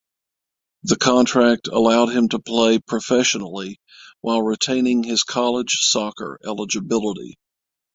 The contract allowed him to play professionally while retaining his college soccer eligibility.